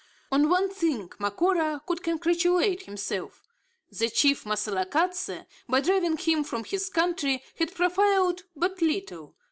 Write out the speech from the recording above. On one thing Macora could congratulate himself. The chief Moselekatse, by driving him from his country, had profited but little.